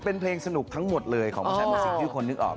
เป็นเพลงสนุกทั้งหมดเลยของมัวชาติมัวสิทธิ์ที่ทุกคนนึกออก